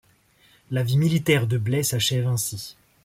La vie militaire de Blaye s’achève ainsi.